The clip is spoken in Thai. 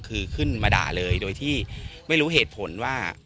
คือขึ้นมาด่าเลยโดยที่ไม่รู้เหตุผลว่า